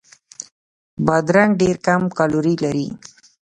بادرنګ ډېر کم کالوري لري.